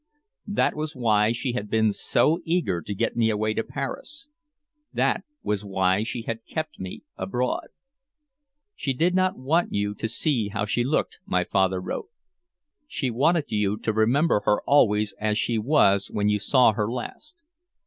That was why she had been so eager to get me away to Paris; that was why she had kept me abroad! "She did not want you to see how she looked," my father wrote. "She wanted you to remember her always as she was when you saw her last."